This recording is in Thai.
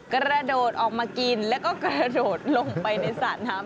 กระโดดออกมากินแล้วก็กระโดดลงไปในสระน้ำ